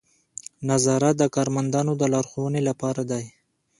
نظارت د کارمندانو د لارښوونې لپاره دی.